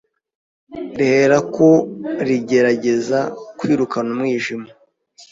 riherako rigerageza kwirukana umwijima.